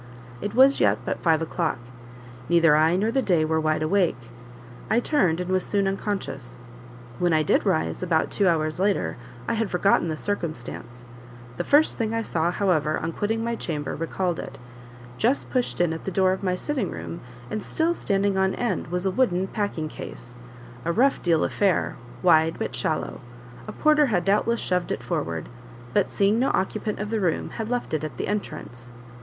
It was yet but five o'clock; neither I nor the day were wide awake; I turned, and was soon unconscious. When I did rise, about two hours later, I had forgotten the circumstance; the first thing I saw, however, on quitting my chamber, recalled it; just pushed in at the door of my sitting room, and still standing on end, was a wooden packing case a rough deal affair, wide but shallow; a porter had doubtless shoved it forward, but seeing no occupant of the room, had left it at the entrance.